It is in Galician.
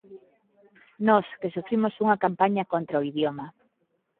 Nós, que sufrimos unha campaña contra o idioma.